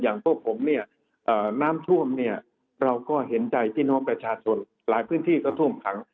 พวกผมเนี่ยน้ำท่วมเนี่ยเราก็เห็นใจพี่น้องประชาชนหลายพื้นที่ก็ท่วมขัง